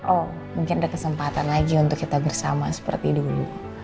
oh mungkin ada kesempatan lagi untuk kita bersama seperti dulu